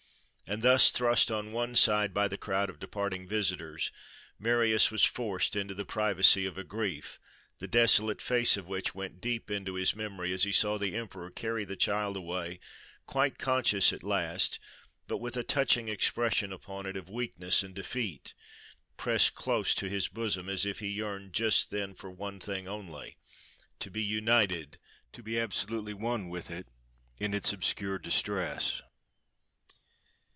And thus, thrust on one side by the crowd of departing visitors, Marius was forced into the privacy of a grief, the desolate face of which went deep into his memory, as he saw the emperor carry the child away—quite conscious at last, but with a touching expression upon it of weakness and defeat—pressed close to his bosom, as if he yearned just then for one thing only, to be united, to be absolutely one with it, in its obscure distress.